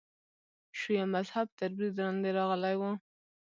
شیعه مذهب تر برید لاندې راغلی و.